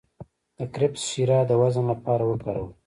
د کرفس شیره د وزن لپاره وکاروئ